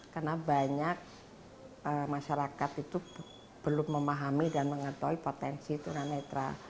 karena banyak masyarakat itu belum memahami dan mengetahui potensi tuna netra